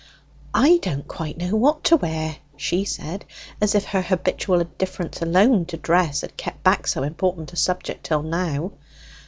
"I don't quite know what to wear," she said, as if her habitual indifference alone to dress had kept back so important a subject till now.